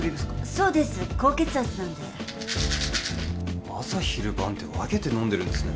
そうです高血圧なんで朝昼晩と分けて飲んでるんですね